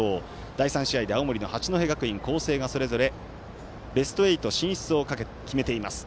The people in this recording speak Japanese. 第３試合で青森の八戸学院光星がそれぞれベスト８進出を決めています。